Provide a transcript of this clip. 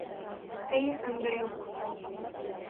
Кәйефем дә юҡ.